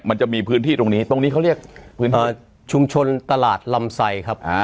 มันจะมีพื้นที่ตรงนี้ตรงนี้เขาเรียกชุมชนตลาดลำไซครับ